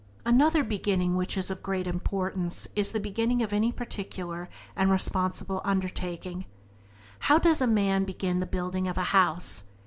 Another beginning which is of great importance is the beginning of any particular and responsible undertaking. How does a man begin the building of a house?